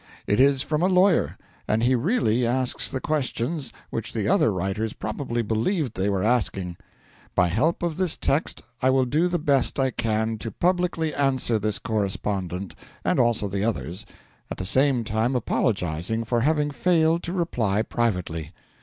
It is from a lawyer, and he really asks the questions which the other writers probably believed they were asking. By help of this text I will do the best I can to publicly answer this correspondent, and also the others at the same time apologising for having failed to reply privately.